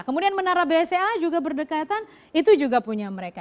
kemudian menara bca juga berdekatan itu juga punya mereka